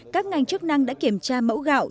các ngành chức năng đã kiểm tra mẫu gạo